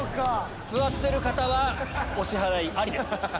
座ってる方はお支払いありです。